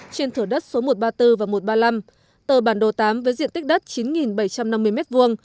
trên thửa đất số một trăm ba mươi bốn và một trăm ba mươi năm tờ bản đồ tám với diện tích đất chín bảy trăm năm mươi m hai